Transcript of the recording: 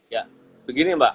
ya begini mbak